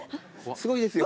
すごいですよ。